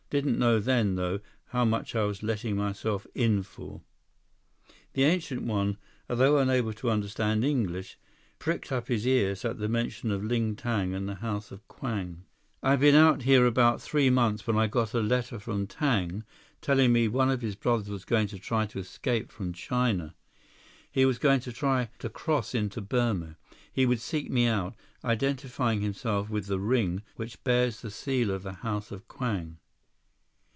Didn't know then, though, how much I was letting myself in for." 158 The Ancient One, although unable to understand English, pricked up his ears at mention of Ling Tang and the House of Kwang. "I'd been out here about three months when I got a letter from Tang telling me one of his brothers was going to try to escape from China. He was going to try to cross into Burma. He would seek me out, identifying himself with the ring which bears the seal of the House of Kwang."